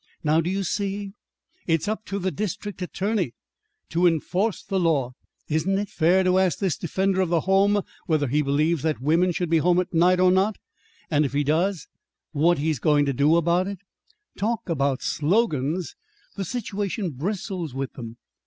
"Now do you see? It's up to the district attorney to enforce the law. Isn't it fair to ask this defender of the home whether he believes that women should be home at night or not, and if he does, what he's going to do about it? Talk about slogans! The situation bristles with them!